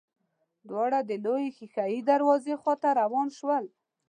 دواړه د لويې ښېښه يي دروازې خواته روان شول.